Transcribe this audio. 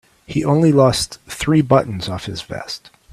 He only lost three buttons off his vest.